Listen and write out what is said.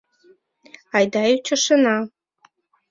— Айда ӱчашена!